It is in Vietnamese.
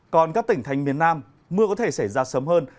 còn các tỉnh thành miền nam mưa có thể xảy ra sớm hơn